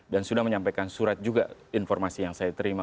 dan sudah menyampaikan surat juga informasi yang saya terima